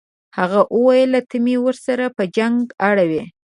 هغه وویل ته مې ورسره په جنګ اړوې.